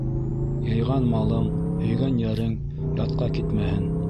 Йыйған малың, һөйгән йәрең ятҡа китмәһен.